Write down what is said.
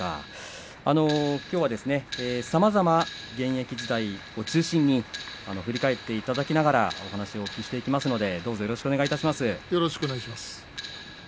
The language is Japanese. きょうはさまざまな現役時代を中心に振り返っていただきながらお話をしていきますのでよろしくお願いします。